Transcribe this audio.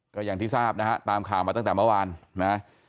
ก็อย่างที่ทราบนะฮะตามข่าวมาตั้งแต่เมื่อวานนะ